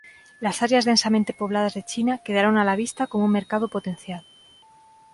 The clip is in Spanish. Las áreas densamente pobladas de China quedaron a la vista como un mercado potencial.